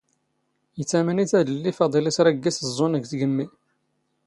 ⵉⵜⴰⵎ ⵏⵉⵜ ⴰⴷⵍⵍⵉ ⴼⴰⴹⵉⵍ ⵉⵙ ⵔⴰ ⴳⵉⵙ ⵥⵥⵓⵏ ⴳ ⵜⴳⵎⵎⵉ.